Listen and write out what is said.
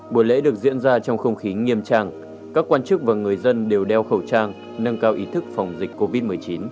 buổi lễ được diễn ra trong không khí nghiêm trang các quan chức và người dân đều đeo khẩu trang nâng cao ý thức phòng dịch covid một mươi chín